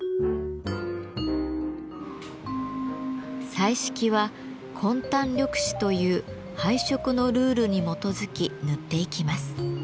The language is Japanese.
彩色は「紺丹緑紫」という配色のルールに基づき塗っていきます。